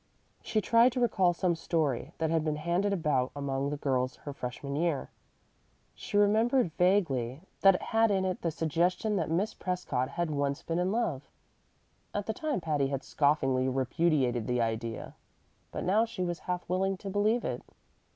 She tried to recall some story that had been handed about among the girls her freshman year. She remembered vaguely that it had in it the suggestion that Miss Prescott had once been in love. At the time Patty had scoffingly repudiated the idea, but now she was half willing to believe it.